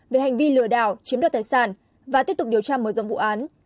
về hành vi lừa đảo chiếm đoạt tài sản và tiếp tục điều tra mở rộng vụ án